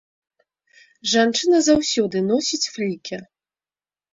Жанчына заўсёды носіць флікер.